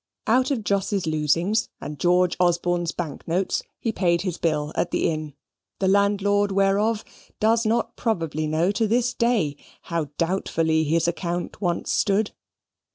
Out of Jos's losings and George Osborne's bank notes, he paid his bill at the inn, the landlord whereof does not probably know to this day how doubtfully his account once stood.